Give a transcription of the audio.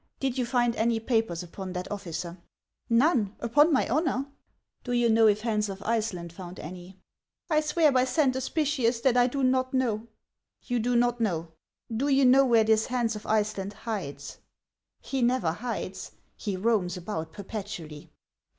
Did you find any papers upon that officer ?"" None, upon my honor." " Do you know if Hans of Iceland found any ?"" I swear by Saint Hospitius that I do not know." " You do riot know ? Do you know where this Hans of Iceland hides ?"" He never hides ; he roams about perpetually."